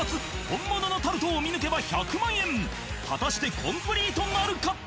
本物のタルトを見抜けば１００万円果たしてコンプリートなるか？